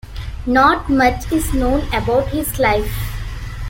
Not much is known about his life.